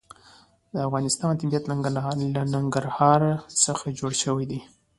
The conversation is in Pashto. د افغانستان طبیعت له ننګرهار څخه جوړ شوی دی.